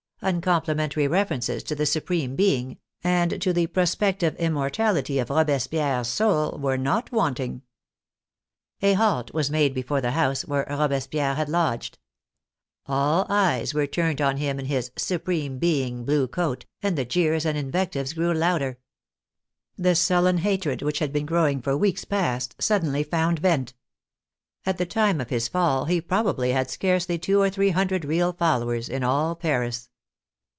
Uncomplimentary references to the Supreme Being and to the prospective immortality of Robes pierre's soul were not wanting. A halt was made before the house where Robespierre had lodged. All eyes were turned on him in his " Supreme Being " blue coat, and the jeers and invectives grew louder. The sullen hatred which had been growing for weeks past suddenly found vent. At the time of his fall he probably had scarcely two or three hundred real followers in all Paris.